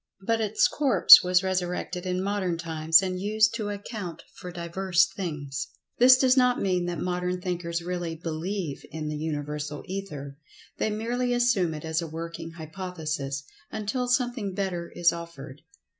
But its corpse was resurrected in modern times, and used to account for divers things. This does not mean that modern thinkers really "believe" in the Universal Ether—they merely assume it as a working hypothesis until something better is offered.